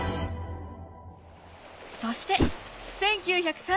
そして１９３４年秋。